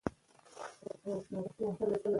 ښوونیز نصاب باید په پښتو وي.